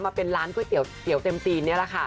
มาเป็นร้านก๋วยเตี๋ยวเต็มตีนนี่แหละค่ะ